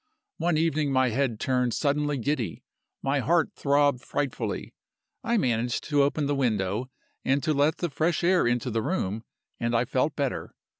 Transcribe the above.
One evening my head turned suddenly giddy; my heart throbbed frightfully. I managed to open the window, and to let the fresh air into the room, and I felt better.